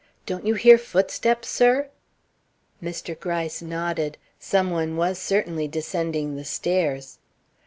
Don't you hear footsteps, sir?" Mr. Gryce nodded. Some one was certainly descending the stairs.